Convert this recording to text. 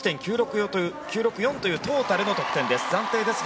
というトータルの得点です。